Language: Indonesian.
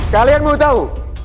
kalian mau tahu